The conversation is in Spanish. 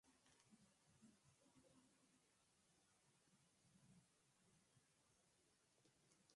No es necesario que haya una gran cantidad de agua.